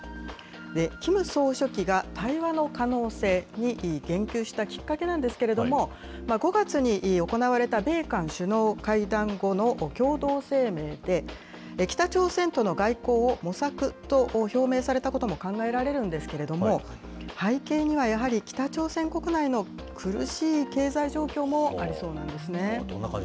キム総書記が対話の可能性に言及したきっかけなんですけども、５月に行われた米韓首脳会談後の、共同声明で、北朝鮮との外交を模索と表明されたことも考えられるんですけれども、背景にはやはり、北朝鮮国内の苦しい経済状況もありそうなんですね。